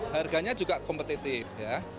harganya juga kompetitif ya